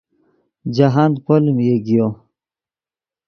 جاہند پولیم یگیو